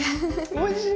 おいしい！